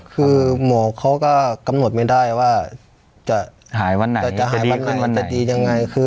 คือหมอเขาก็กำหนดไม่ได้ว่าจะหายวันไหนจะดียังไง